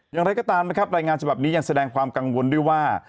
อย่างไรก็ตามนะครับรายงานฉบับนี้ยังแสดงความกังวลด้วยว่า